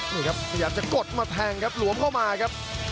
นี่ครับพยายามจะกดมาแทงครับหลวมเข้ามาครับ